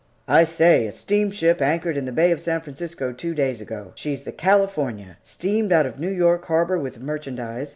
"I say, a steamship anchored in the Bay of San Francisco two days ago. She's the California. Steamed out of New York Harbor with merchandise.